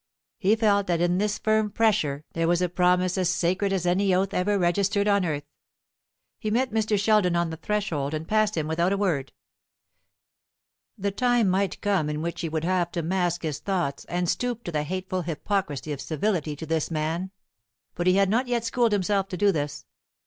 He felt that in this firm pressure there was a promise sacred as any oath ever registered on earth. He met Mr. Sheldon on the threshold, and passed him without a word. The time might come in which he would have to mask his thoughts, and stoop to the hateful hypocrisy of civility to this man; but he had not yet schooled himself to do this.